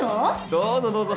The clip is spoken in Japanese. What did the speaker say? どうぞどうぞ。